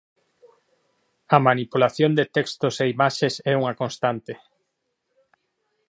A manipulación de textos e imaxes é unha constante.